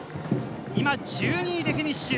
今１２位でフィニッシュ。